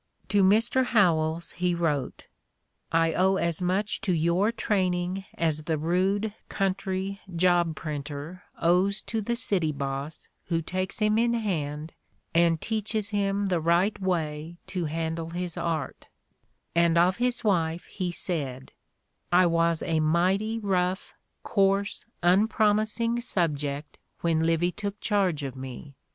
To Mr. Howells he wrote: "I owe as much to your training as the rude country job printer owes to the city boss who takes him in hand and teaches him the right way to handle his art"; and of his wife he said: "I was a mighty rough, coarse, unpromising subject when Livy took charge of me